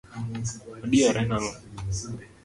Odiyore nang’o?